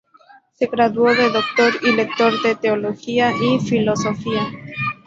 Se graduó de doctor y lector de teología y filosofía.